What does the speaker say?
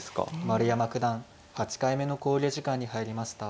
丸山九段８回目の考慮時間に入りました。